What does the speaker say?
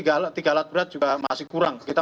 tiga alat berat juga masih kurang kita